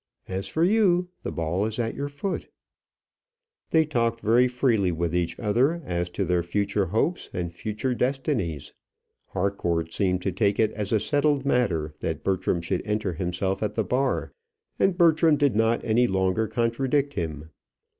As for you, the ball is at your foot." They talked very freely with each other as to their future hopes and future destinies. Harcourt seemed to take it as a settled matter that Bertram should enter himself at the bar, and Bertram did not any longer contradict him.